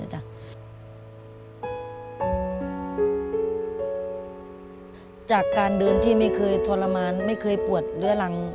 จากการเดินที่ไม่เคยทรมานไม่เคยปวดเรื้อรัง